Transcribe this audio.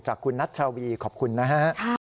คุณนัชชาวีขอบคุณนะฮะ